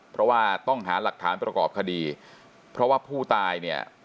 เพราะว่าต้องหาหลักฐานประกอบคดีเพราะว่าผู้ตายเนี่ย